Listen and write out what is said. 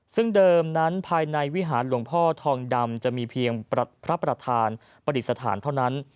ซึ่งเดิมนั้นภายในวิหารหลวงพ่อทองดำจะมีเพียงพระประธานปฏิสถานเท่านั้น